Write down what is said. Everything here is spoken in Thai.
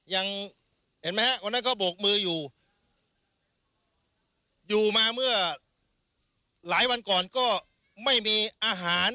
เห็นไหมฮะวันนั้นเขาโบกมืออยู่อยู่มาเมื่อหลายวันก่อนก็ไม่มีอาหาร